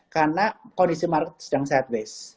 karena kondisi market sedang sideways